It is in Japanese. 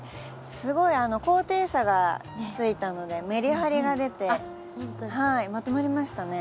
すごい高低差がついたのでメリハリが出てまとまりましたね。